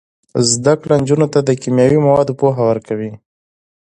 زده کړه نجونو ته د کیمیاوي موادو پوهه ورکوي.